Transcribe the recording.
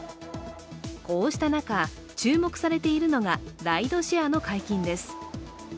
こうした中、注目されているのがライドシェアの解禁です。